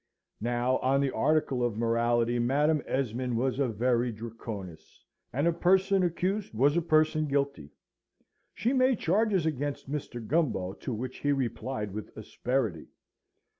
Now, on the article of morality Madam Esmond was a very Draconess; and a person accused was a person guilty. She made charges against Mr. Gumbo to which he replied with asperity.